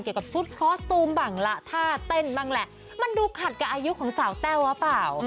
กับชุดคอสตูมบ้างละท่าเต้นบ้างแหละมันดูขัดกับอายุของสาวแต้วว่าเปล่า